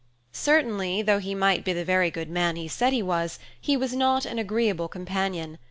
Certainly, though he might be the very good man he said he was, he was not an agreeable companion.